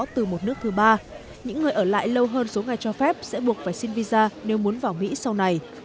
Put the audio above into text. từ một nước thứ ba những người ở lại lâu hơn số ngày cho phép sẽ buộc phải xin visa nếu muốn vào mỹ sau này